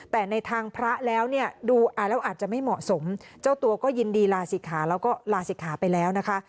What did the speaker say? แต่ในทางพระแล้วเนี่ยดูแล้วอาจจะไม่เหมาะสมเจ้าตัวก็ยินดีลาศิกขาแล้วก็ลาศิกขาไปแล้วนะคะ